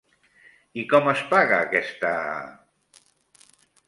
I com es paga aquesta...?